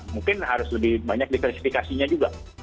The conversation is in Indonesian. mungkin harus lebih banyak diklasifikasinya juga